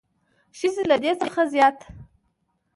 ښځې له دې څخه زیات